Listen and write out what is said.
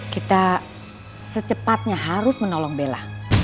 kita secepatnya harus menolong bella